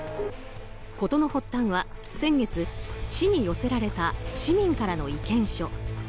事の発端は先月、市に寄せられた市民からの意見書。